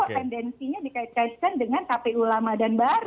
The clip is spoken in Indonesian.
tendensinya dikaitkan dengan kpu lama dan baru